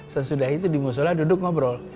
sesudah itu dimusulah duduk ngobrol